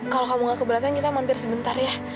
kalau kamu gak keberatan kita mampir sebentar ya